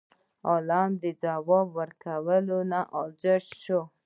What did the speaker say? عالم د ځواب ورکولو نه عاجز شو.